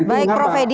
baik prof edi